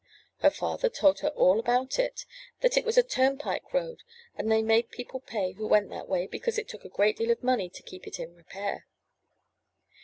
Her father told her all about it; that it was a turnpike road and they made people pay who went that way, because it took a great deal of money to keep it in repair.